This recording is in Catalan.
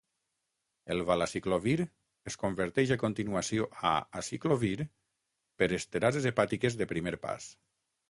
El Valaciclovir es converteix a continuació a Aciclovir per esterases hepàtiques de primer pas.